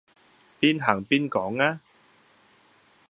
邊行邊講吖